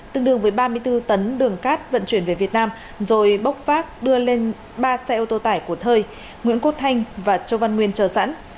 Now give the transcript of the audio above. tương đương với ba mươi bốn tấn đường cát vận chuyển về việt nam rồi bốc phát đưa lên ba xe ô tô tải của thơi nguyễn quốc thanh và châu văn nguyên chờ sẵn